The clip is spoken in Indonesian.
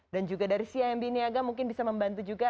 dan juga dari cimb niaga mungkin bisa membantu juga